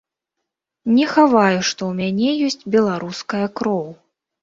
Не хаваю, што ў мяне ёсць беларуская кроў.